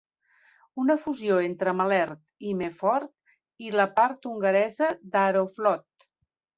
Una fusió entre "Malert", "Maefort" i la part hongaresa d'"Aeroflot".